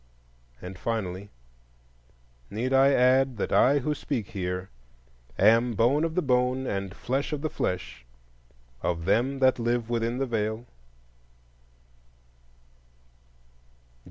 And, finally, need I add that I who speak here am bone of the bone and flesh of the flesh of them that live within the Veil?